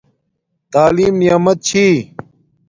تعلیم نعمت چھِی